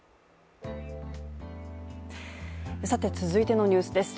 続いてのニュースです。